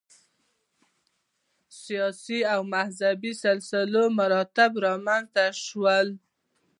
سیاسي او مذهبي سلسله مراتب رامنځته شول.